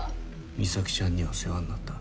ミサキちゃんには世話になった。